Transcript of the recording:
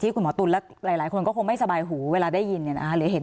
คุณหมอตุ๋นและหลายคนก็คงไม่สบายหูเวลาได้ยินเนี่ยนะหรือเห็น